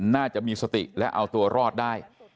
น่าจะมีสติและเอาตัวรอดได้